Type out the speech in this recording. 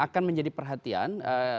akan menjadi perhatian